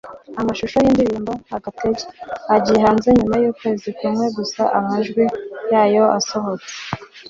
Amashusho y’indirimbo “Agatege” agiye hanze nyuma y’ukwezi kumwe gusa amajwi yayo asohotse